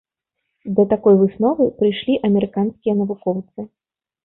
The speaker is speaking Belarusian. Да такой высновы прыйшлі амерыканскія навукоўцы.